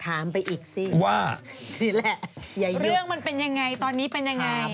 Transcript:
ถามไปอีกสิว่านี่แหละเรื่องมันเป็นยังไงตอนนี้เป็นยังไง